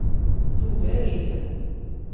Tugar-it.